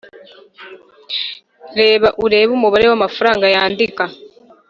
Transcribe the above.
reba urebe umubare w'amafaranga yandika.